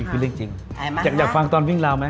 มีความรู้สึกจริงอยากฟังตอนวิ่งราวมั้ย